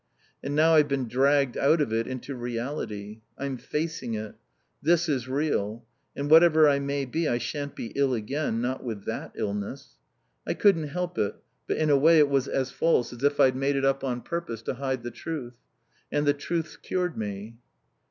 And now I've been dragged out of it into reality. I'm facing it. This is real. And whatever I may be I shan't be ill again, not with that illness. I couldn't help it, but in a way it was as false as if I'd made it up on purpose to hide the truth. And the truth's cured me."